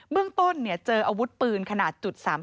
เรื่องต้นเจออาวุธปืนขนาด๓๘